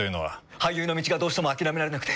俳優の道がどうしても諦められなくて。